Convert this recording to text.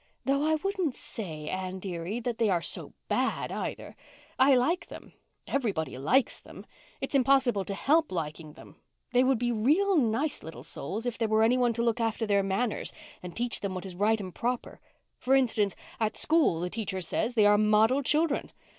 Though I wouldn't say, Anne dearie, that they are so bad, either. I like them—everybody likes them. It's impossible to help liking them. They would be real nice little souls if there was anyone to look after their manners and teach them what is right and proper. For instance, at school the teacher says they are model children.